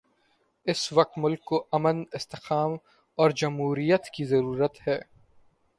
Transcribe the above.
اس وقت ملک کو امن، استحکام اور جمہوریت کی ضرورت ہے۔